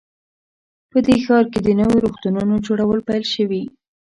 په دې ښار کې د نویو روغتونونو جوړول پیل شوي